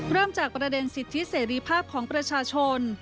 เริ่มจากประเด็นสิทธิเสรีภาพของประชาชน